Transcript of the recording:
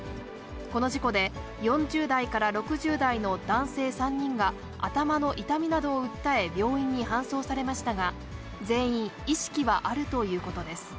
この事故で、４０代から６０代の男性３人が頭の痛みなどを訴え、病院に搬送されましたが、全員、意識はあるということです。